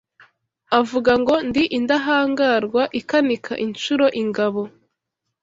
avuga ngoNdi indahangarwa ikanika inshuro ingabo